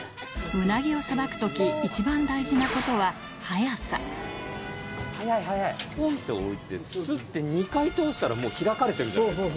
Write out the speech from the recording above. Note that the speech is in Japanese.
うなぎをさばくとき一番大事なことはポンって置いてスって２回通したらもう開かれてるじゃないですか。